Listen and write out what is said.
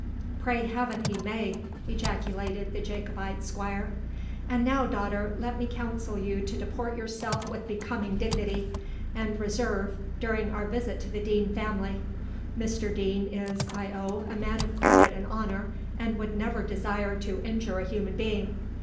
"Pray Heaven he may!" ejaculated the Jacobite squire. "And now, daughter, let me counsel you to deport yourself with becoming dignity and reserve during our visit to the Deane family. Mr Deane is, I own, a man of credit and honour, and would never desire to injure a human being.